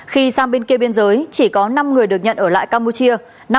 khi sang bên kia biên giới chỉ có năm người được nhận ở lại campuchia